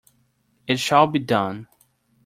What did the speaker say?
It shall be done!